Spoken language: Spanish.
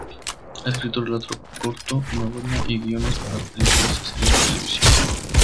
Ha escrito relato corto, novela y guiones para películas y series de televisión.